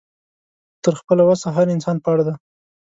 تر خپله وسه هر انسان پړ دی